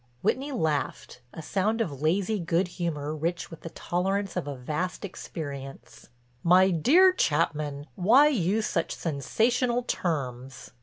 Whitney laughed, a sound of lazy good humor rich with the tolerance of a vast experience: "My dear Chapman, why use such sensational terms?